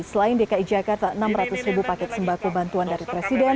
selain dki jakarta enam ratus ribu paket sembako bantuan dari presiden